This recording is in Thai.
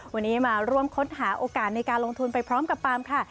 วันนี้มาร่วมค้นหาโอกาสในการลงทุนไปพร้อมกับปาล์มค่ะ